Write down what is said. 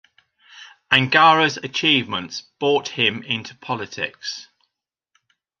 Angara's achievements brought him into politics.